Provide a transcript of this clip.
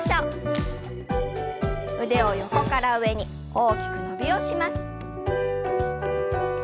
腕を横から上に大きく伸びをします。